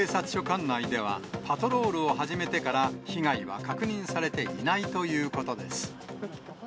管内では、パトロールを始めてから、被害は確認されていないということです。